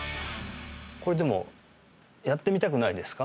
これでもやってみたくないですか？